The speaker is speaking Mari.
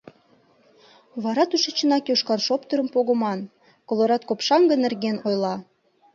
Вара тушечынак йошкар шоптырым погыман, — колорад копшаҥге нерген ойла.